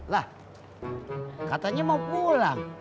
lah katanya mau pulang